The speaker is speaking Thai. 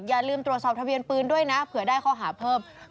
อย่าลืมตรวจสอบทะเบียนปืนด้วยนะเผื่อได้ข้อหาเพิ่ม